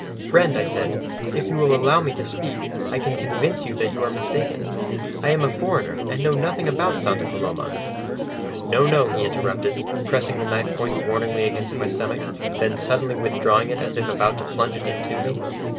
"Friend," I said, "if you will allow me to speak, I can convince you that you are mistaken. I am a foreigner, and know nothing about Santa Coloma." "No, no," he interrupted, pressing the knife point warningly against my stomach, then suddenly withdrawing it as if about to plunge it intome.